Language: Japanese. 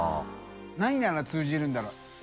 何なら通じるんだろう？